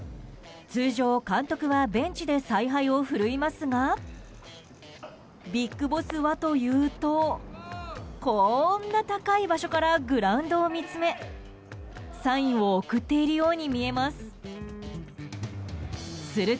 通常、監督はベンチで采配を振るいますがビッグボスはというとこんな高い場所からグラウンドを見つめサインを送っているように見えます。